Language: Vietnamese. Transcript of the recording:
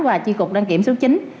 và chi cục đăng kiểm số chín